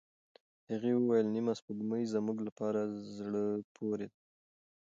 هغې وویل، نیمه سپوږمۍ زموږ لپاره زړه پورې ده.